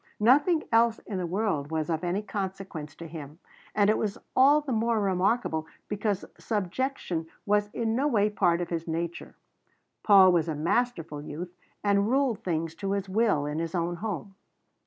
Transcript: Nothing else in the world was of any consequence to him and it was all the more remarkable because subjection was in no way part of his nature. Paul was a masterful youth, and ruled things to his will in his own home.